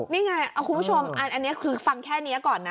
นี่ไงคุณผู้ชมอันนี้คือฟังแค่นี้ก่อนนะ